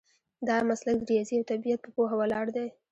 دا مسلک د ریاضي او طبیعت په پوهه ولاړ دی.